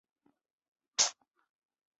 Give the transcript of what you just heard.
刘明利。